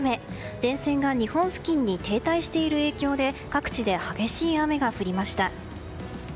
前線が日本付近に停滞している影響で各地で激しい雨が降りました。